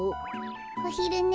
おひるね。